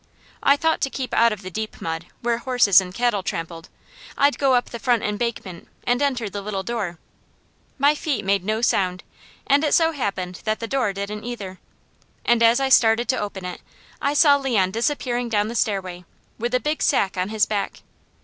I thought to keep out of the deep mud, where horses and cattle trampled, I'd go up the front embankment, and enter the little door. My feet made no sound, and it so happened that the door didn't either, and as I started to open it. I saw Leon disappearing down the stairway, with a big sack on his back.